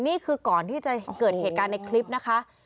นี่คือก่อนที่จะเกิดเหตุการณ์ในคลิปนะคะ